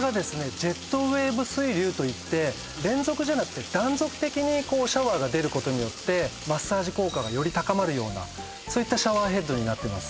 ジェットウェーブ水流といって連続じゃなくて断続的にシャワーが出ることによってマッサージ効果がより高まるようなそういったシャワーヘッドになってます